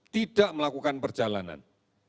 tidak melakukan perjalanan